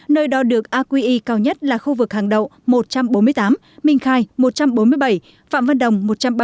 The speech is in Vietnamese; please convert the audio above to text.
nơi đo được aqi cao nhất là khu vực hàng đậu một trăm bốn mươi tám minh khai một trăm bốn mươi bảy phạm văn đồng một trăm ba mươi